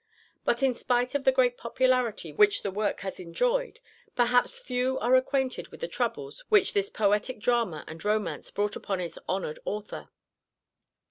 But in spite of the great popularity which the work has enjoyed, perhaps few are acquainted with the troubles which this poetic drama and romance brought upon its honoured author.